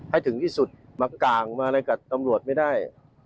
ให้ถึงที่สุดมาก่างมาอะไรกับตำรวจไม่ได้